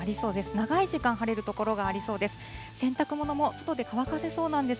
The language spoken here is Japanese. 長い時間、晴れる所がありそうです。